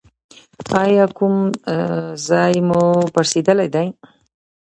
ایا کوم ځای مو پړسیدلی دی؟